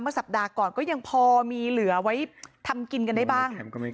สัปดาห์ก่อนก็ยังพอมีเหลือไว้ทำกินกันได้บ้าง